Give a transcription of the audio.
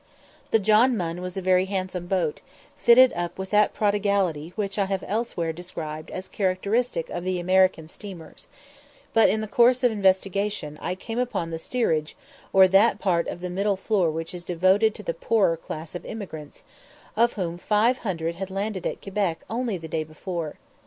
The John Munn was a very handsome boat, fitted up with that prodigality which I have elsewhere described as characteristic of the American steamers; but in the course of investigation I came upon the steerage, or that part of the middle floor which is devoted to the poorer class of emigrants, of whom five hundred had landed at Quebec only the day before.